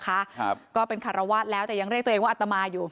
ครับก็เป็นคารวาสแล้วแต่ยังเรียกตัวเองว่าอัตมาอยู่